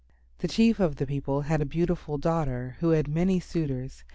The Chief of the people had a beautiful daughter who had many suitors.